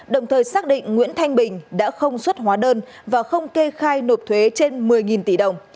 đồng thời xác định nguyễn thanh bình đã không xuất hóa đơn và không kê khai nộp thuế trên một mươi tỷ đồng